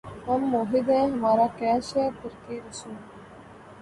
ہم موّحد ہیں‘ ہمارا کیش ہے ترکِ رسوم